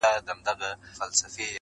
خو آواز یې لا خپل نه وو آزمېیلی٫